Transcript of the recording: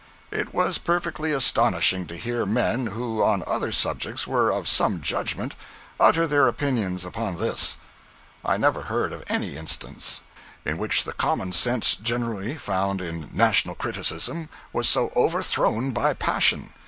It was perfectly astonishing to hear men who, on other subjects, were of some judgment, utter their opinions upon this. I never heard of any instance in which the commonsense generally found in national criticism was so overthrown by passion.